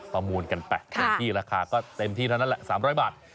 ประมูลกันไปเต็มที่ราคาก็เต็มที่เท่านั้นแหละ๓๐๐บาท